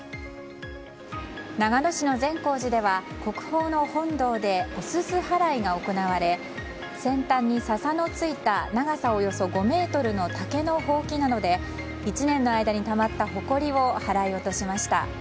長野市の善光寺では国宝の本堂でおすす払いが行われ先端に笹のついた長さおよそ５ｍの竹のほうきなどで１年の間にたまったほこりを払い落としました。